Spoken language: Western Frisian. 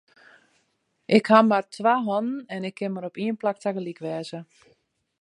Ik haw mar twa hannen en ik kin mar op ien plak tagelyk wêze.